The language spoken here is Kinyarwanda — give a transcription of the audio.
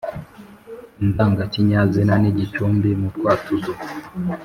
indangakinyazina nigicumbi nu twatuzo